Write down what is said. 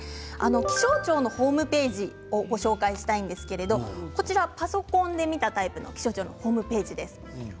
気象庁のホームページをご紹介したいんですけれどもパソコンで見たタイプの気象庁のホームページです。